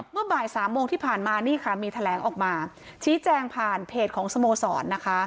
เมื่อบ่ายสามโมงที่ผ่านมานี่ค่ะมีแถลงออกมาชี้แจงผ่านเพจของสโมสรนะคะ